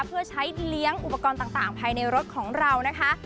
เพื่อใช้เลี้ยงอุปกรณ์ต่างภายในรถของเรานะคะ